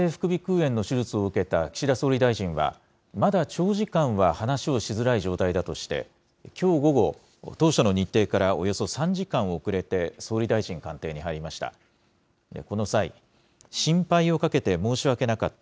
炎の手術を受けた岸田総理大臣は、まだ長時間は話をしづらい状態だとして、きょう午後、当初の日程からおよそ３時間遅れて、総理大臣官邸に入りました。